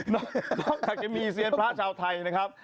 นอกจากจะมีเซียนพระชาวไทยนะครับ